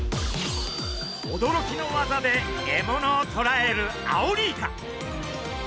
驚きの技で獲物をとらえるアオリイカ。